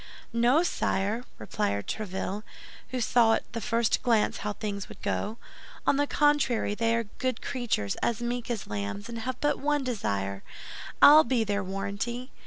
"No, sire," replied Tréville, who saw at the first glance how things would go, "on the contrary, they are good creatures, as meek as lambs, and have but one desire, I'll be their warranty.